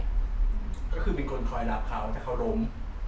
ก็คือเป็นคนคอยรับเขาถ้าเขาล้ม